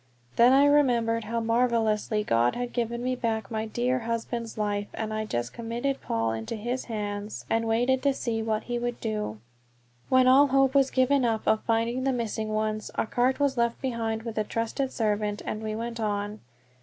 Then I remembered how marvelously God had given me back my dear husband's life, and I just committed Paul into his hands and waited to see what he would do. When all hope was given up of finding the missing ones, a cart was left behind with a trusted servant, and we went on.